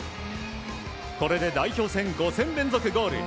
これで代表戦５戦連続ゴール。